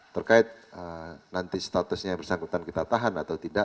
terkait nanti statusnya yang bersangkutan kita tahan atau tidak